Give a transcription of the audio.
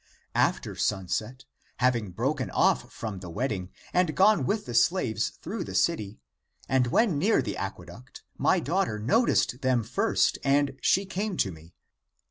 After sunset, having broken ofif from the wed ding, and gone with the slaves through (the city), and when near the acqueduct, my daughter noticed them first and she came to me.